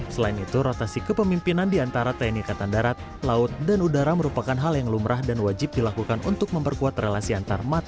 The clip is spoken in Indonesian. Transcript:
selain itu rotasi kepemimpinan diantara tni akatan darat laut dan udara merupakan hal yang lumrah dan wajib dilakukan untuk memperkuat relasi antar matra tni